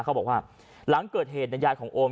เขาบอกว่าหลังเกิดเหตุในยายของโอม